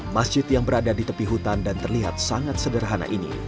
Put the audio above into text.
masjid yang berada di tepi hutan dan terlihat sangat sederhana ini